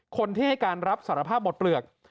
คนที่ให้การรับสารภาพหมดเปลือก